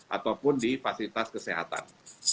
ataupun di fasilitas kesehatan